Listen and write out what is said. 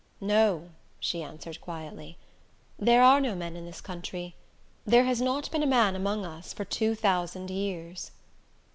"No," she answered quietly. "There are no men in this country. There has not been a man among us for two thousand years."